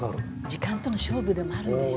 時間との勝負でもあるんでしょうね。